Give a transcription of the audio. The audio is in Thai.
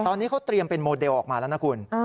ตอนนี้เขาเตรียมเป็นโมเดลออกมาแล้วนะคุณ